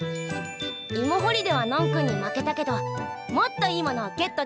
イモほりではのん君に負けたけどもっといいものをゲットできたんだ！